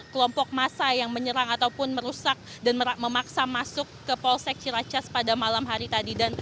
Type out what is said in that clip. kelompok massa yang menyerang ataupun merusak dan memaksa masuk ke polsek ciracas pada malam hari tadi